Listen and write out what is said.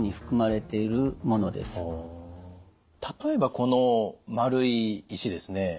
例えばこの丸い石ですね